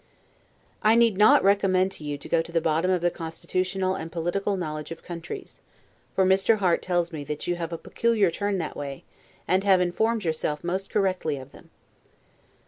I need not recommend you to go to the bottom of the constitutional and political knowledge of countries; for Mr. Harte tells me that you have a peculiar turn that way, and have informed yourself most correctly of them.